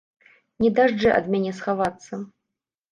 Не дажджэ ад мяне схавацца!